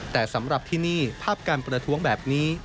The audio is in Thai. แต่สำหรับที่นี่ภาพการประท้วงแบบนี้